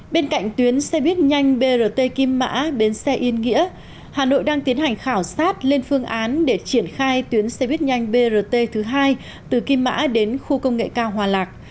bên cạnh tuyến xe buýt nhanh brt kim mã bến xe yên nghĩa hà nội đang tiến hành khảo sát lên phương án để triển khai tuyến xe buýt nhanh brt thứ hai từ kim mã đến khu công nghệ cao hòa lạc